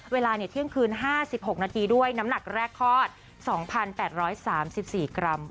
เวลาเที่ยงคืน๕๖นาทีด้วยน้ำหนักแรกคลอด๒๘๓๔กรัม